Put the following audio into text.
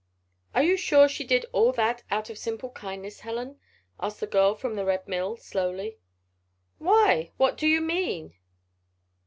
"Are you sure she did all that out of simple kindness, Helen?" asked the girl from the Red Mill, slowly. "Why! what do you mean?"